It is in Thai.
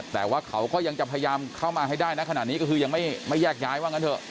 แต่ว่าเขาก็ยังจะพยายามเข้ามาให้ได้นะขนาดนี้ก็คือยังไม่แยกย้ายว่างั้นเถอะ